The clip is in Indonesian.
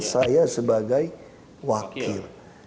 saya sebagai wakil